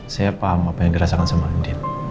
saya paham apa yang dirasakan sama adit